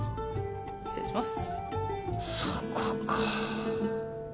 失礼します